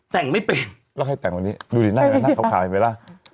เตรียมไปร่ะ